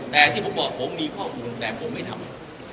แต่ที่ผมบอกผมมีข้อมูลแต่ผมไม่ทำ